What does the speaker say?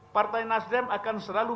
partai nasdem akan selalu